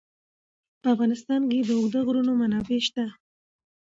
په افغانستان کې د اوږده غرونه منابع شته.